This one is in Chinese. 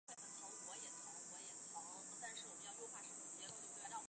当年就在沂州府和沂水县建立了分驻地。